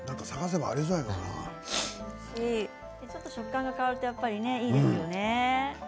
ちょっと食感が変わるのがいいですよね。